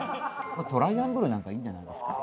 トライアングルなんかいいんじゃないですか？